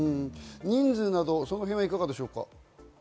人数などはいかがでしょうか？